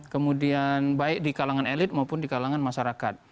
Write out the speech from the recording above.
kemudian baik di kalangan elit maupun di kalangan masyarakat